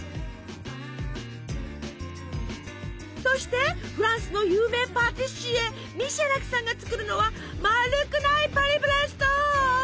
そしてフランスの有名パティシエミシャラクさんが作るのはまるくないパリブレスト！